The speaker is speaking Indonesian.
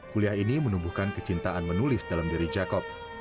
kuliah ini menumbuhkan kecintaan menulis dalam diri jakob